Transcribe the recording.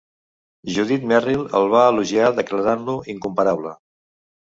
Judith Merril el va elogiar declarant-lo "incomparable".